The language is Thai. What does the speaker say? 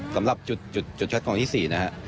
สำหรับจุดคัดกองที่๔นะฮะ